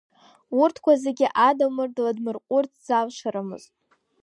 Урҭқәа зегьы Адамыр дладмырҟәырц залшарымызт.